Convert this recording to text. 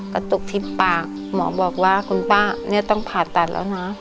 กระตุกที่ปากหมอบอกว่าคุณป้าเนี่ยต้องผ่าตัดแล้วนะ